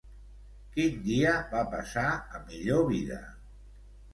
Quin dia va passar a millor vida?